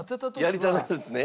やりたなるんですね？